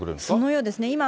そのようですね。